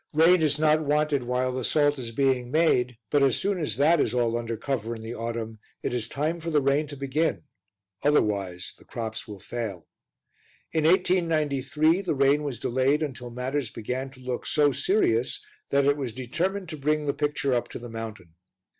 Rain is not wanted while the salt is being made, but as soon as that is all under cover in the autumn it is time for the rain to begin, otherwise the crops will fail. In 1893 the rain was delayed until matters began to look so serious that it was determined to bring the picture up to the mountain.